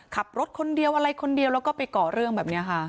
ขับรถคนเดียวอะไรคนเดียวแล้วก็ไปก่อเรื่องแบบนี้ค่ะ